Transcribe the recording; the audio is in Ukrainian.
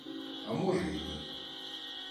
А може й ні.